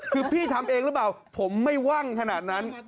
คือพี่ทำเองหรือเปล่าผมไม่ว่างขนาดนั้น